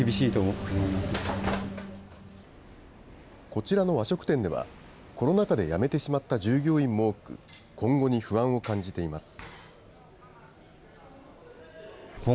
こちらの和食店では、コロナ禍で辞めてしまった従業員も多く、今後に不安を感じています。